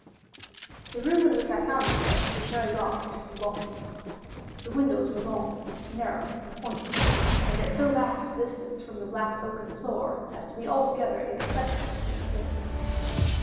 The room in which I found myself was very large and lofty. The windows were long, narrow, and pointed, and at so vast a distance from the black oaken floor as to be altogether inaccessible from within.